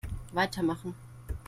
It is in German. Weitermachen!